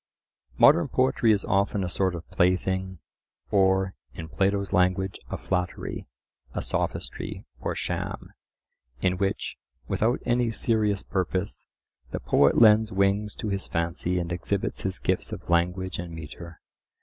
Modern poetry is often a sort of plaything, or, in Plato's language, a flattery, a sophistry, or sham, in which, without any serious purpose, the poet lends wings to his fancy and exhibits his gifts of language and metre.